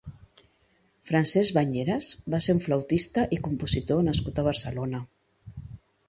Francesc Bañeras va ser un flautista i compositor nascut a Barcelona.